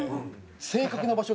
正確な場所